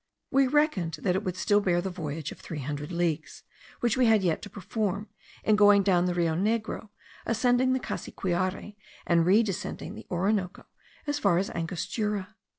We reckoned that it would still bear the voyage of three hundred leagues, which we had yet to perform, in going down the Rio Negro, ascending the Cassiquiare, and redescending the Orinoco as far as Angostura.